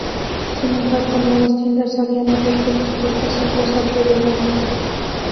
Sin embargo, nuevas tiendas habían abierto sus puertas en los alrededores.